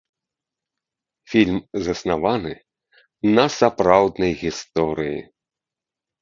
Фільм заснаваны на сапраўднай гісторыі.